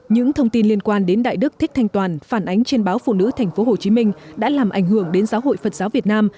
những thông tin liên quan đến đại đức thích thanh toàn phản ánh trên báo phụ nữ tp hcm đã làm ảnh hưởng đến giáo hội phật giáo việt nam